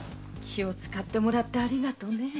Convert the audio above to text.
気を遣ってもらってありがとうね。